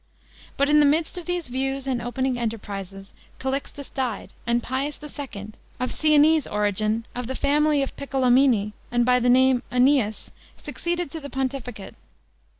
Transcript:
But in the midst of these views and opening enterprises, Calixtus died, and Pius II. of Siennese origin, of the family of the Piccolomini, and by name Æneas, succeeded to the pontificate.